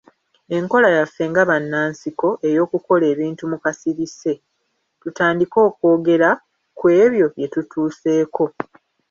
Enkola yaffe nga bannansiko ey'okukola ebintu mu kasirise, tutandike okwogera ku ebyo bye tutuuseeko.